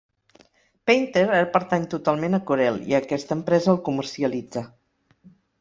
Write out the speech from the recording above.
Painter ara pertany totalment a Corel i aquesta empresa el comercialitza.